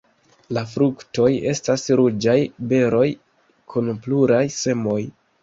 La fruktoj estas ruĝaj beroj kun pluraj semoj.